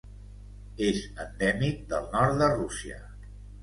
És endèmic del nord de Rússia.